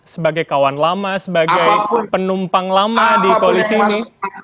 sebagai kawan lama sebagai penumpang lama di polisi ini